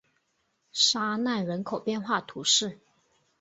沙奈人口变化图示